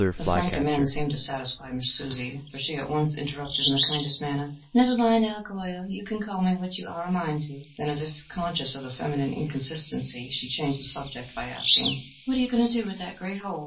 The frank amende seemed to satisfy Miss Susie, for she at once interrupted in the kindest manner: "Never mind, Al Golyer: you can call me what you are a mind to." Then, as if conscious of the feminine inconsistency, she changed the subject by asking, "What are you going to do with that great hole?